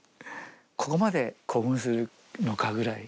ここまで興奮するのかぐらい。